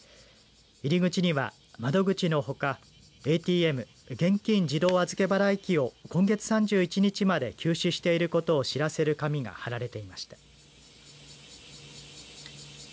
入り口には、窓口のほかＡＴＭ、現金自動預け払い機を今月３１日まで休止していることを知らせる紙が張られていました。